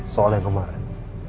soal yang kemarin